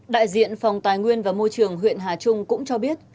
đại diện phòng tài nguyên và môi trường huyện hà trung cũng cho biết